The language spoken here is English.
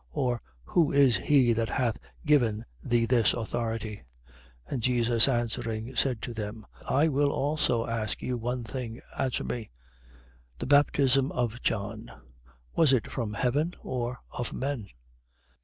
Or, who is he that hath given thee this authority? 20:3. And Jesus answering, said to them: I will also ask you one thing. Answer me: 20:4. The baptism of John, was it from heaven, or of men?